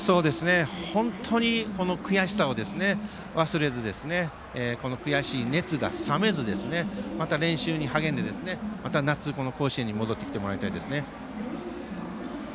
本当にこの悔しさを忘れずにこの悔しい熱が冷めずまた練習に励んで、夏に甲子園に戻ってきてもらいたいですね。